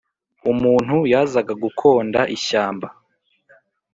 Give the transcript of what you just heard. umuntu yazaga gukonda ishyamba,